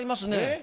え？